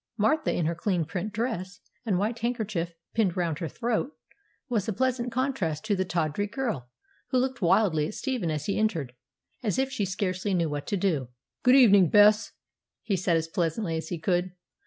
Martha, in her clean print dress, and white handkerchief pinned round her throat, was a pleasant contrast to the tawdry girl, who looked wildly at Stephen as he entered, as if she scarcely knew what to do. 'Good evening, Bess,' he said, as pleasantly as he could.